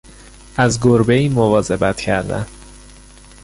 از گربهای مواظبت کردن